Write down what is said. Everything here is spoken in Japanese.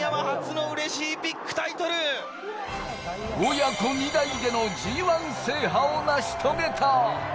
親子二代でのＧ１制覇を成し遂げた。